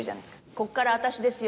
「ここから私ですよ」